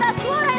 sakitnya ku disini